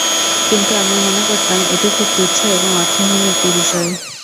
কিন্তু আমি মনে করতাম এটি খুব তুচ্ছ এবং অর্থহীন একটি বিষয়।